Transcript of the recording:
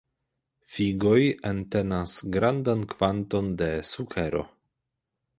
Figoj entenas grandan kvanton de sukero.